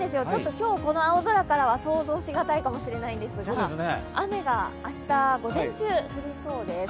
今日、この青空からは想像しがたいかもしれないんですが、雨が明日、午前中降りそうです。